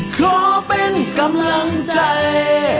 ขอเป็นกำลังใจ